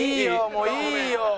もういいよ！